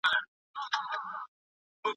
د مقالي لومړۍ بڼه باید اصلاح سي.